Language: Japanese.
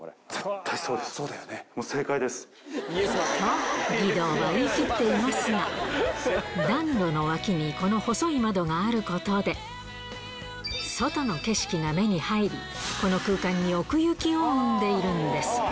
と、義堂は言い切っていますが、暖炉の脇にこの細い窓があることで、外の景色が目に入り、この空間に奥行きを生んでいるんです。